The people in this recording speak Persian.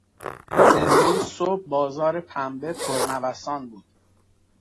امروز صبح بازار پنبه پر نوسان بود.